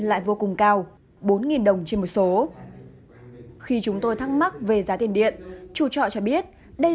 điện cao bốn đồng trên một số khi chúng tôi thắc mắc về giá tiền điện chủ trọ cho biết đây